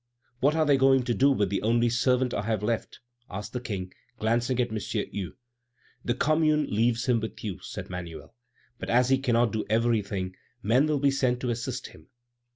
"What are they going to do with the only servant I have left?" asked the King, glancing at M. Hue. "The Commune leaves him with you," said Manuel; "but as he cannot do everything, men will be sent to assist him."